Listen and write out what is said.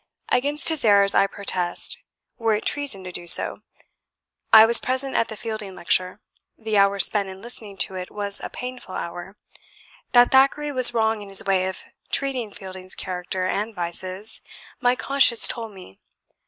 ... Against his errors I protest, were it treason to do so. I was present at the Fielding lecture: the hour spent in listening to it was a painful hour. That Thackeray was wrong in his way of treating Fielding's character and vices, my conscience told me.